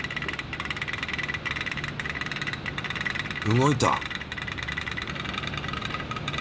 動いた！